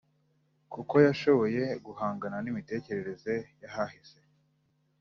kuko yashoboye guhangana n’imitekerereze y’ahahise